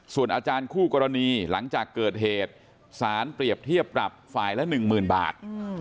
ส่วนอาจารย์คู่กรณีหลังจากเกิดเหตุสารเปรียบเทียบปรับฝ่ายละ๑๐๐๐บาท